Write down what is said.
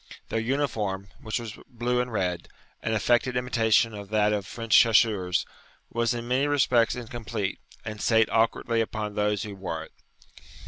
Their uniform, which was blue and red, an affected imitation of that of French chasseurs, was in many respects incomplete, and sate awkwardly upon those who wore it.